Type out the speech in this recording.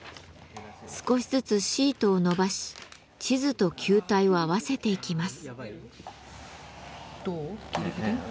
少しずつシートを伸ばし地図と球体を合わせていきます。